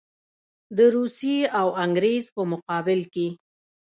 د روسیې او انګرېز په مقابل کې.